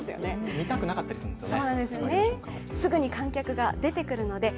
見たくなかったりするんですよね。